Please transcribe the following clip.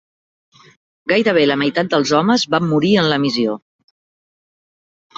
Gairebé la meitat dels homes van morir en la missió.